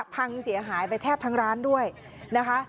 พังเสียหายไปแทบทั้งร้านด้วยนะคะ